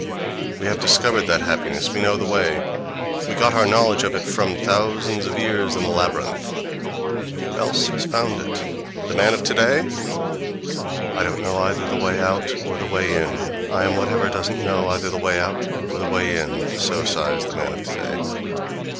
We have discovered that happiness; we know the way; we got our knowledge of it from thousands of years in the labyrinth. Who else has found it?—The man of today?—"I don't know either the way out or the way in; I am whatever doesn't know either the way out or the way in"—so sighs the man of today....